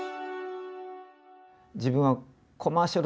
自分はコマーシャル